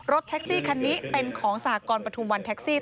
รถแท็กซี่คันนี้เป็นของสหกรปฐุมวันแท็กซี่